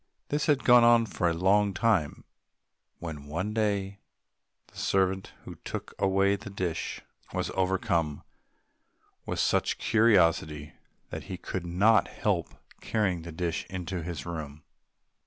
This had gone on for a long time, when one day the servant, who took away the dish, was overcome with such curiosity that he could not help carrying the dish into his room.